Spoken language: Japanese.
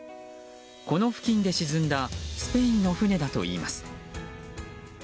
この付近で沈んだスペインの船だといいます。